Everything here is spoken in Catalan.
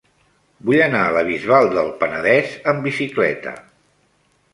Vull anar a la Bisbal del Penedès amb bicicleta.